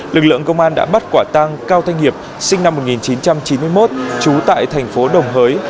lực lượng công an đã bắt quả tang cao thanh hiệp sinh năm một nghìn chín trăm chín mươi một trú tại thành phố đồng hới